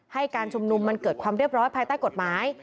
ให้การชุมนุมมันเกิดความเรียบร้อยภายใต้กฎหมาย